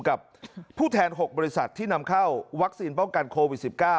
กับผู้แทน๖บริษัทที่นำเข้าวัคซีนป้องกันโควิด๑๙